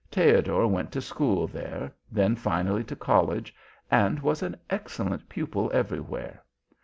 Theodor went to school there, then finally to college, and was an excellent pupil everywhere.